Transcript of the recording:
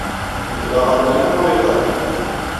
Nekk d aɣerman amuriṭani.